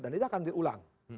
dan itu akan diulang